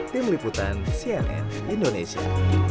tim liputan cnn indonesia